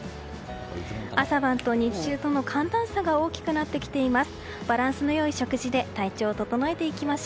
朝晩と日中との寒暖差が大きくなってきています。